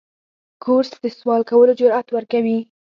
کورس د سوال کولو جرأت ورکوي.